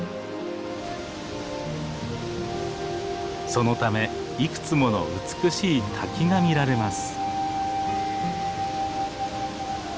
そのためいくつもの美しい滝が見られます。